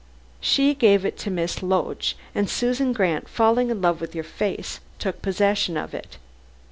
She gave it to Miss Loach, and Susan Grant falling in love with your face, took possession of it.